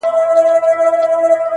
خو درد لا هم شته تل،